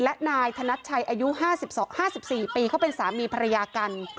และนายธนัดชัยอายุ๕๔ปีเขาเป็นสามีภรรยากัน